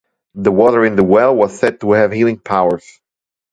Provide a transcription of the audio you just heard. The water in the well was said to have healing powers.